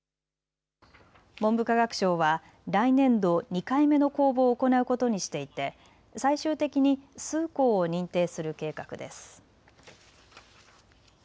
文部科学省は来年度、２回目の公募を行うことにしていて最終的に数校を認定する計画です。